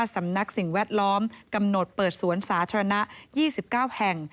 สำนักสิ่งแวดล้อมกำหนดเปิดสวนสาธารณะ๒๙แห่ง